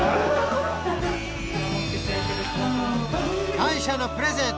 感謝のプレゼント